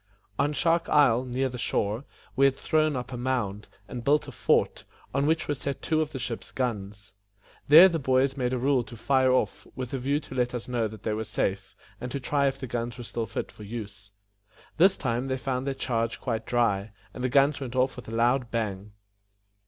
On Shark Isle, near the shore, we had thrown up a mound, and built a fort, on which were set two of the ship's guns. These the boys made a rule to fire off, with a view to let us know that they were safe, and to try if the guns were still fit for use. This time they found their charge quite dry, and the guns went off with a loud bang.